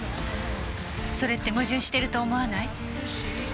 それって矛盾してると思わない？